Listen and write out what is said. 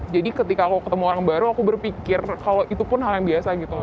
jadi ketika aku ketemu orang baru aku berpikir kalau itu pun hal yang biasa gitu